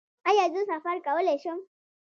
ایا زه سفر کولی شم؟